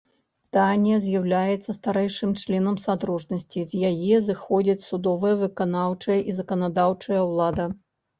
Данія з'яўляецца старэйшым членам садружнасці, з яе зыходзіць судовая, выканаўчая і заканадаўчая ўлада.